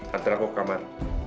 hantar aku ke kamar